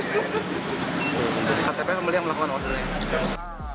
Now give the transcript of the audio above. ktp pembeli yang melakukan ordernya